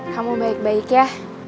kamu baik baik ya